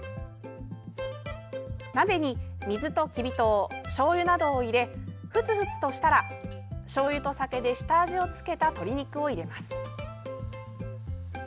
鍋に、水ときび糖しょうゆなどを入れふつふつとしたらしょうゆと酒で下味をつけた鶏肉を入れます。